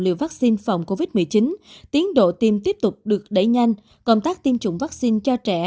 được vắc xin phòng covid một mươi chín tiến độ tiêm tiếp tục được đẩy nhanh công tác tiêm chủng vắc xin cho trẻ